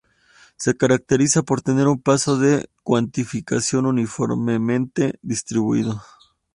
Se caracteriza por tener un paso de cuantificación uniformemente distribuido.